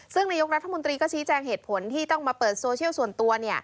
ซึ่งนายกรัฐมนตรีก็ชี้แจงเหตุผลที่ต้องมาเปิดโซเชียลส่วนตัว